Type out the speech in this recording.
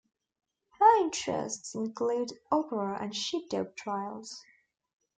Her interests include opera and sheepdog trials.